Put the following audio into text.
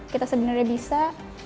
kita sebenarnya bisa